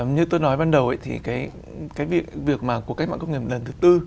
như tôi nói ban đầu thì cái việc của cái mạng công nghiệp lần thứ tư